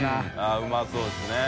△うまそうですね。